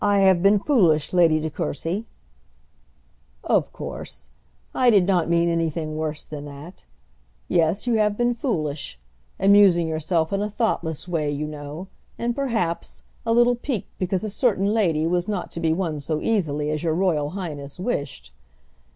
"I have been foolish, Lady De Courcy." "Of course; I did not mean anything worse than that. Yes, you have been foolish; amusing yourself in a thoughtless way, you know, and, perhaps, a little piqued because a certain lady was not to be won so easily as your Royal Highness wished.